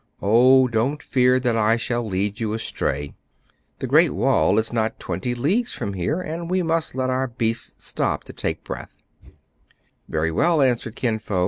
"Oh, don't fear that I shall lead you astray! The Great Wall is not twenty leagues from here, and we must let our beasts stop to take breath." 252 TRIBULATIONS OF A CHINAMAN. " Very well," answered Kin Fo.